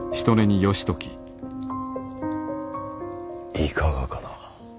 いかがかな。